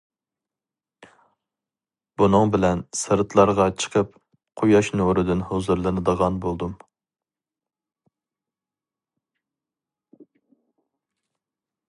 بۇنىڭ بىلەن سىرتلارغا چىقىپ، قۇياش نۇرىدىن ھۇزۇرلىنىدىغان بولدۇم.